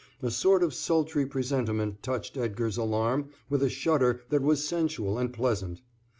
A sort of sultry presentiment touched Edgar's alarm with a shudder that was sensual and pleasant.